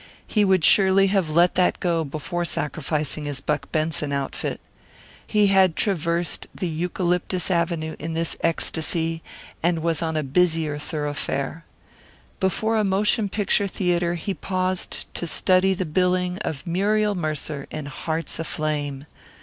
He would surely have let that go before sacrificing his Buck Benson outfit. He had traversed the eucalyptus avenue in this ecstasy, and was on a busier thoroughfare. Before a motion picture theatre he paused to study the billing of Muriel Mercer in Hearts Aflame.